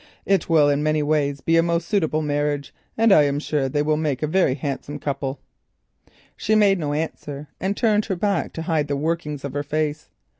It will in many ways be a most suitable marriage, and I am sure they will make a very handsome couple." She made no answer, and turned her back to hide the workings of her face.